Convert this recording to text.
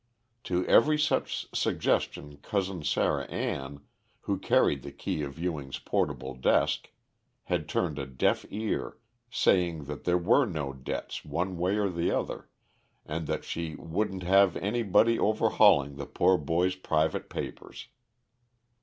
To every such suggestion Cousin Sarah Ann, who carried the key of Ewing's portable desk, had turned a deaf ear, saying that there were no debts one way or the other, and that she "wouldn't have anybody overhauling the poor boy's private papers."